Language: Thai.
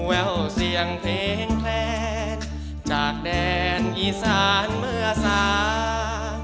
แววเสียงเพลงแคลนจากแดนอีสานเมื่อสา